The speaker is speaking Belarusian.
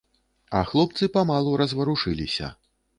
А хлопцы памалу разварушыліся.